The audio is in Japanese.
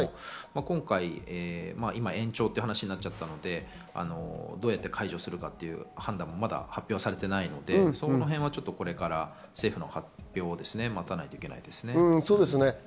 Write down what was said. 今回、延長という話になっちゃったのでどうやって解除するかという判断もまだ発表されていないのでそのへんはこれから政府の発表を待たないといけないですね。